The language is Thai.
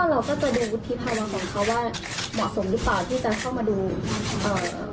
เราก็จะดูวุฒิภาระของเขาว่าเหมาะสมหรือเปล่าที่จะเข้ามาดูเอ่อ